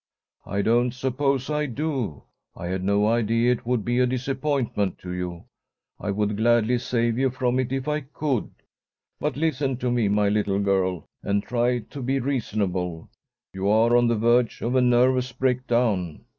"I don't suppose I do. I had no idea it would be a disappointment to you. I would gladly save you from it if I could. But listen to me, my little girl, and try to be reasonable. You are on the verge of a nervous breakdown.